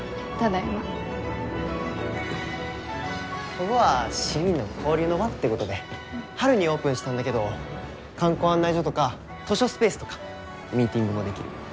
こごは市民の交流の場ってごどで春にオープンしたんだけど観光案内所とか図書スペースとか。ミーティングもできる。